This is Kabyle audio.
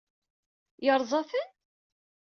Yeṛṛeẓ-aten?